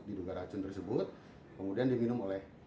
diduga racun tersebut kemudian diminum oleh yang bersih